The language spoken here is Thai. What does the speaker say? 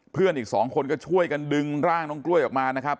เพื่อนอีกสองคนก็ช่วยกันดึงร่างน้องกล้วยออกมานะครับ